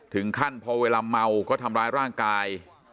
ถึงขั้นพอเวลาเมาก็ทำร้ายร่างกาย